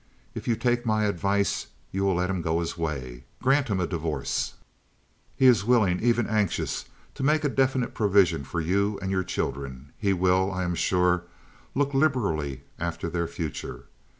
If you take my advice you will let him go his way. Grant him a divorce. He is willing, even anxious to make a definite provision for you and your children. He will, I am sure, look liberally after their future.